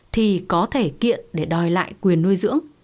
thì có thể kiện để đòi lại